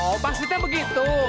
oh maksudnya begitu